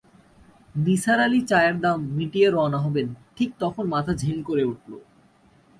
নিসার আলি চায়ের দাম মিটিয়ে রওনা হবেন, ঠিক তখন মাথা ঝিম করে উঠল।